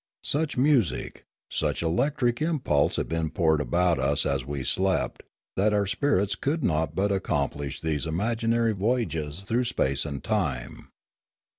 Such music, such electric impulse had been poured about us as we slept, that our spirits could not but accomplish these imaginary voyages through space and time.